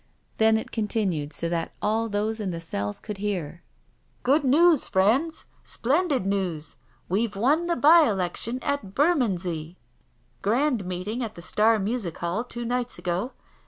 Then it continued so that all those in the cells could hear: " Good news, friends. Splendid news — we've won the by election at Bermondsey. Grand meeting at the Star Music Hall two nights ago.